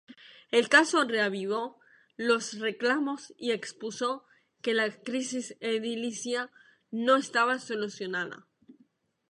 El caso reavivó los reclamos y expuso que la crisis edilicia no estaba solucionada.